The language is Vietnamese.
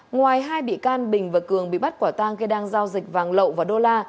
ngoài hai bị can bình và cường bị bắt quả tang khi đang giao dịch vàng lậu và đô la